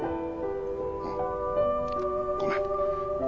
うん。ごめん。